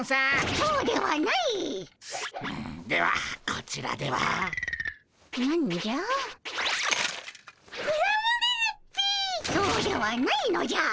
そうではないのじゃ！